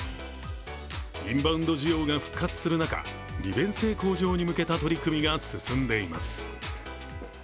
インバウンド需要が復活する中、利便性向上に向けた取り組みが進んでいます。